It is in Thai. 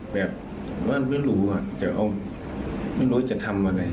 แบบว่าไม่รู้จะเอาไม่รู้จะทำอะไร